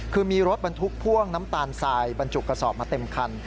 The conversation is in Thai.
คือมีรถบรรทุกพ่วงน้ำตาลทรายบรรจุกระสอบมาเต็มคัน